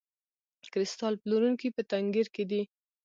کریستال پلورونکی په تنګیر کې دی.